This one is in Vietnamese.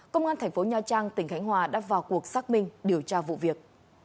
công an thành phố nha trang tỉnh khánh hòa đã vào cuộc xác minh điều tra vụ việc